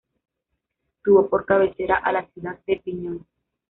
Tuvo por cabecera a la ciudad de El Piñón.